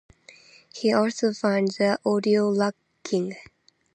He also found the audio lacking.